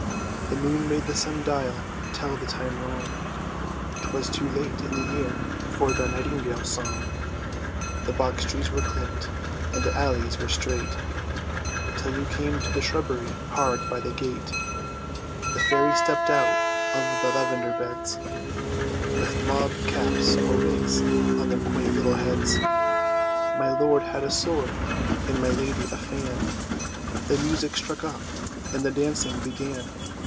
The moon made the sun dial tell the time wrong; 'Twas too late in the year for the nightingale's song; The box trees were clipped, and the alleys were straight, Till you came to the shrubbery hard by the gate. The fairies stepped out of the lavender beds, With mob caps, or wigs, on their quaint little heads; My lord had a sword and my lady a fan; The music struck up and the dancing began.